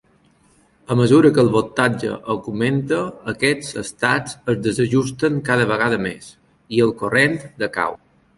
A mesura que el voltatge augmenta, aquests estats es desajusten cada vegada més i el corrent decau.